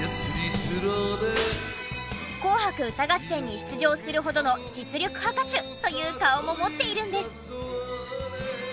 『紅白歌合戦』に出場するほどの実力派歌手という顔も持っているんです。